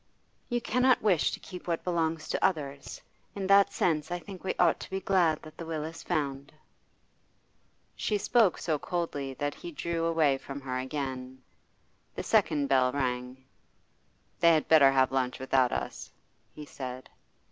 'You cannot wish to keep what belongs to others. In that sense I think we ought to be glad that the will is found.' She spoke so coldly that he drew away from her again. The second bell rang. 'They had better have lunch without us,' he said.